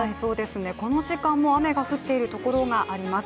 この時間も雨が降っているところがあります。